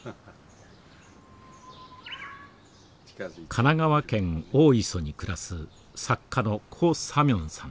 神奈川県大磯に暮らす作家の高史明さん。